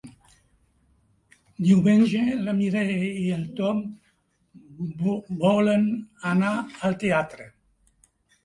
Diumenge na Mireia i en Tom volen anar al teatre.